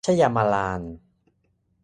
ชยามาลาน